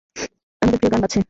আমাদের প্রিয় গান বাজছে।